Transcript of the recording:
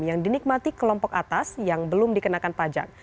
yang dinikmati kelompok atas yang belum dikenakan pajak